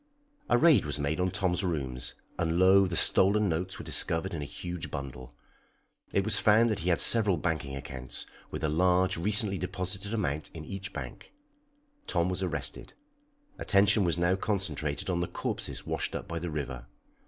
A raid was made on Tom's rooms, and lo! the stolen notes were discovered in a huge bundle. It was found that he had several banking accounts, with a large, recently deposited amount in each bank. Tom was arrested. Attention was now concentrated on the corpses washed up by the river.